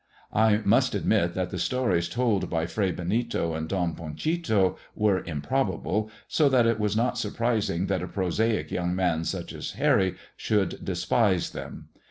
I must admit that the stories told by Fray Benito and Don Panchito were improbable, so that it was not surprising that a prosaic young man such as Harry should despise them.